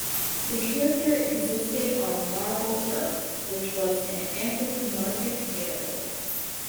The character existed on Larval Earth, which was an anthropomorphic universe.